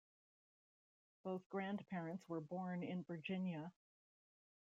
Both grandparents were born in Virginia.